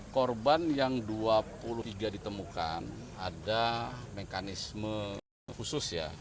korban yang dua puluh tiga ditemukan ada mekanisme khusus ya